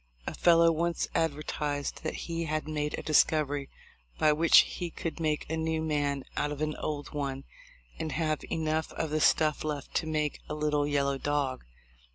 A fellow once advertised that he had made a discovery by which he could make a new man out of an old one and have enough of the stuff left to make a little yellow dog.